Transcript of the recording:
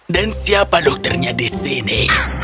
dan siapa dokternya di sini